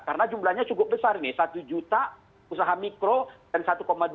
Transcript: karena jumlahnya cukup besar nih satu juta usaha mikro dan satu dua juta